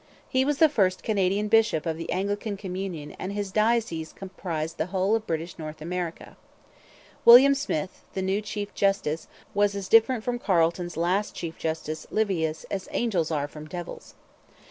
He was the first Canadian bishop of the Anglican communion and his diocese comprised the whole of British North America. William Smith, the new chief justice, was as different from Carleton's last chief justice, Livius, as angels are from devils.